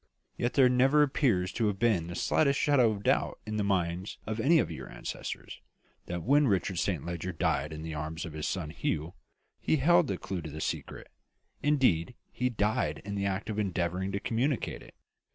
Yet there never appears to have been the slightest shadow of doubt in the minds of any of your ancestors, that when Richard Saint Leger died in the arms of his son Hugh, he held the clue to the secret; indeed, he died in the act of endeavouring to communicate it."